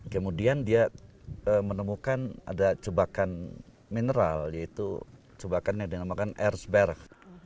kemudian dia menemukan ada cebakan mineral yaitu cebakan yang dinamakan airsberg